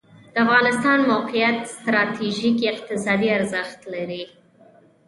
د افغانستان موقعیت ستراتیژیک اقتصادي ارزښت لري